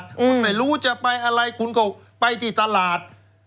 คุณไม่รู้จะไปอะไรคุณก็ไปที่ตลาด